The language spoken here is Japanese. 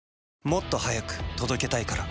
もっと速く届けたいから。